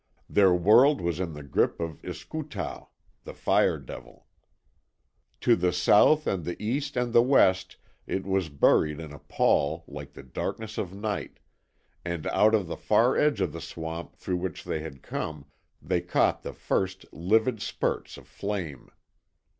Their world was in the grip of Iskootao (the Fire Devil). To the south and the east and the west it was buried in a pall like the darkness of night, and out of the far edge of the swamp through which they had come they caught the first livid spurts of flame.